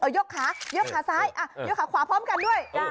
เอ้ยยกขาซ้ายเอ้ยยกขาขวาพร้อมกันด้วย